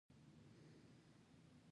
د دوی قومي شخړه د واک د وېش پر سر ده.